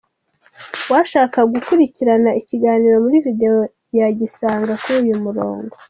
Uwashaka gukurikirana ikiganiro muri video yagisanga kuri uyu murongo.